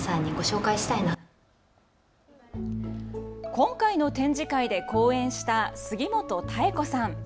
今回の展示会で講演した杉本妙子さん。